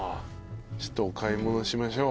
ちょっとお買い物しましょう。